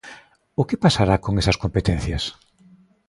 O que pasará con esas competencias?